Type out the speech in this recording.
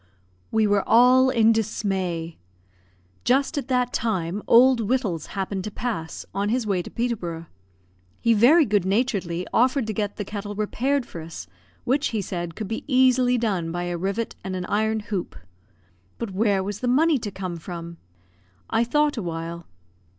We were all in dismay. Just at that time Old Wittals happened to pass, on his way to Peterborough. He very good naturedly offered to get the kettle repaired for us; which, he said, could be easily done by a rivet and an iron hoop. But where was the money to come from? I thought awhile.